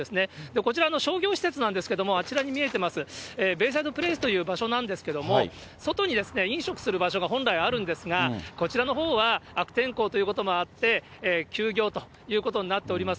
こちらの商業施設なんですけれども、あちらに見えています、ベイサイドプレースという場所なんですけれども、外に飲食する場所が本来あるんですが、こちらのほうは悪天候ということもあって、休業ということになっております。